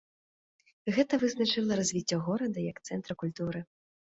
Гэта вызначыла развіццё горада як цэнтра культуры.